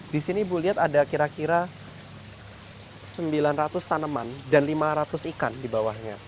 di sini ibu lihat ada kira kira sembilan ratus tanaman dan lima ratus ikan di bawahnya